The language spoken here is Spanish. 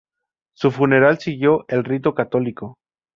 Su funeral siguió el rito católico.